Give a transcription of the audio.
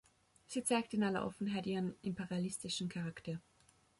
Sie zeigt in aller Offenheit ihren imperialistischen Charakter.